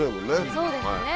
そうですね。